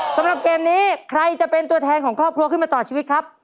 สำหรับเกมนี้ใครจะเป็นตัวแทนของครอบครัวขึ้นมาต่อชีวิตครับ